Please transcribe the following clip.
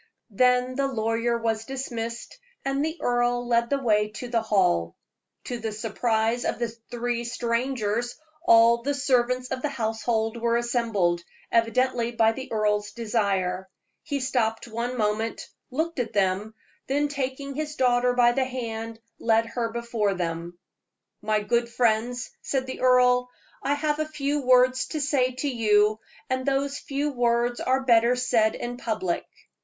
Then the lawyer was dismissed, and the earl led the way to the hall. To the surprise of the three strangers, all the servants of the household were assembled, evidently by the earl's desire. He stopped one moment, looked at them, then taking his daughter by the hand, led her before them. "My good friends," said the earl, "I have a few words to say to you, and those few words are better said in public.